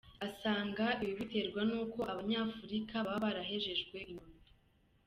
Asanga ibi biterwa n’uko abanyafurika baba barahejejwe inyuma.